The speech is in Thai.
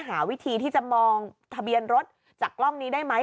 หาวิธีที่จะมองทะเบียนรถจากกล้องนี้ได้ไหม